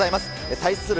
対する